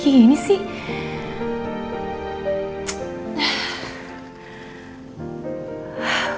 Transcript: kayak gini sih